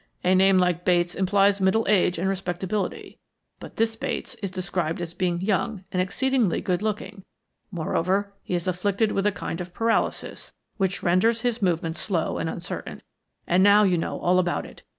"A name like Bates implies middle age and respectability. But this Bates is described as being young and exceedingly good looking. Moreover, he is afflicted with a kind of paralysis, which renders his movements slow and uncertain. And now you know all about it.